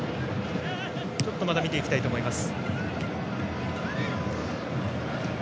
ちょっとまた見ていきたいと思います。